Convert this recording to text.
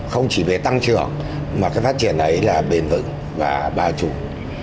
không chỉ về tăng trưởng mà cái phát triển ấy là bền vững và bao trùm